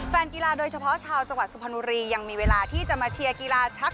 แฟนกีฬาโดยเฉพาะชาวจังหวัดสุพรรณบุรียังมีเวลาที่จะมาเชียร์กีฬาชัก